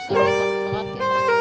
sakit banget gitu